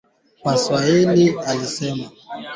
viazi lishe huoshwa kuoshwa kabla ya kuanikwa